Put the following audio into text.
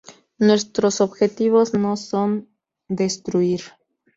Nuestros objetivos no son destruir